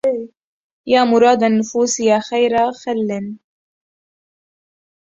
يا مراد النفوس يا خير خل